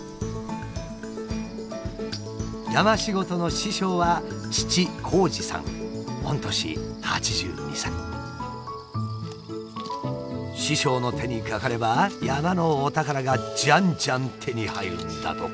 山仕事の師匠は師匠の手にかかれば山のお宝がじゃんじゃん手に入るんだとか。